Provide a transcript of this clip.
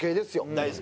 大好きな。